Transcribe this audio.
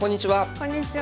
こんにちは。